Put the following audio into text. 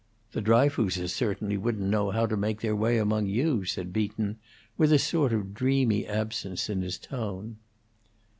"The Dryfooses certainly wouldn't know how to make their way among you," said Beaton, with a sort of dreamy absence in his tone.